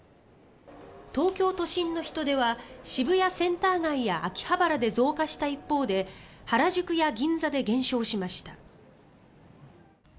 東京都心の人出は渋谷センター街や秋葉原で増加した一方で原宿や銀座で減少しました。